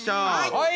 はい！